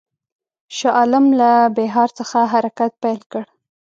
شاه عالم له بیهار څخه حرکت پیل کړ.